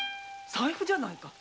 財布じゃないか。